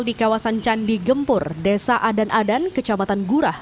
di kawasan candi gempur desa adan adan kecamatan gurah